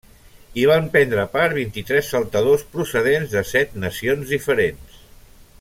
Hi van prendre part vint-i-tres saltadors procedents de set nacions diferents.